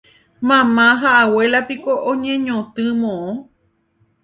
Mama ha abuela piko oñeñotỹ moõ